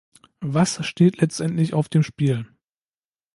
Was steht letztendlich auf dem Spiel?